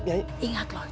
ingat lho jangan tidur